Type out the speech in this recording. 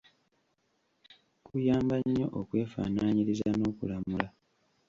Kuyamba nnyo okwefaanaanyiriza n'okulamula.